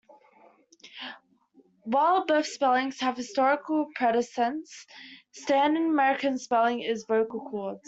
While both spellings have historical precedents, standard American spelling is 'vocal cords'.